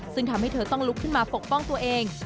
ซึ่งทำให้เธอต้องลุกขึ้นมาปกป้องตัวเอง